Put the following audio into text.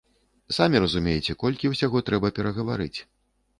Самі разумееце, колькі ўсяго трэба перагаварыць.